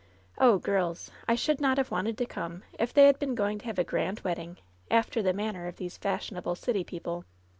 Oh, girls ! I should not have wanted to come if they had been going to have a grand wedding, after the manner of these fashionable city people.